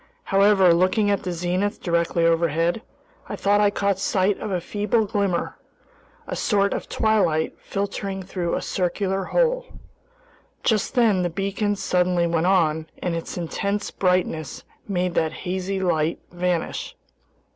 However, looking at the zenith directly overhead, I thought I caught sight of a feeble glimmer, a sort of twilight filtering through a circular hole. Just then the beacon suddenly went on, and its intense brightness made that hazy light vanish.